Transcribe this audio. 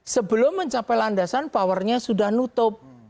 sebelum mencapai landasan powernya sudah nutup